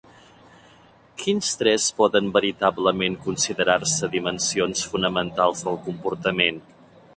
Quins tres poden veritablement considerar-se dimensions fonamentals del comportament?